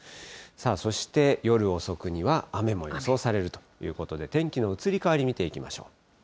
そして夜遅くには雨も予想されるということで、天気の移り変わり見ていきましょう。